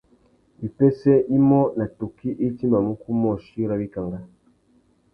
Wipêssê imô nà tukí i timbamú ukúmôchï râ wikangá.